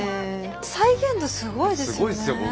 再現度すごいですよね。